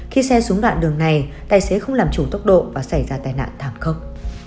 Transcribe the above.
khi xe xuống đoạn đường này tài xế không làm chủ tốc độ và xảy ra tai nạn thảm khốc